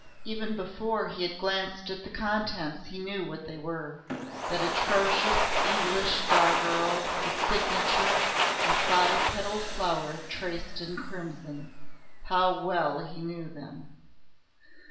Even before he had glanced at the contents he knew what they were. That atrocious English doggerel, the signature a five petalled flower traced in crimson! How well he knew them!